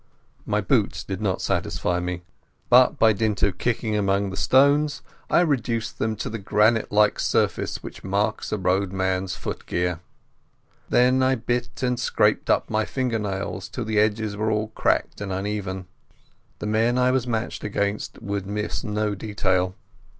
My boots did not satisfy me, but by dint of kicking among the stones I reduced them to the granite like surface which marks a roadman's footgear. Then I bit and scraped my finger nails till the edges were all cracked and uneven. The men I was matched against would miss no detail.